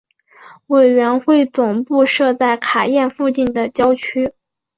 委员会总部设在卡宴附近的郊区。